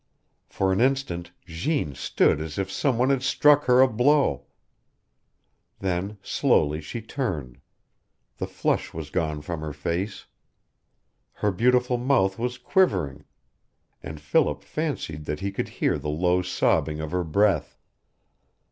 For an instant Jeanne stood as if some one had struck her a blow. Then, slowly, she turned. The flush was gone from her face. Her beautiful mouth was quivering, and Philip fancied that he could hear the low sobbing of her breath.